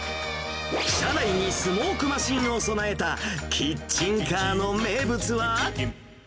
車内にスモークマシンを備えたキッチンカーの名物は。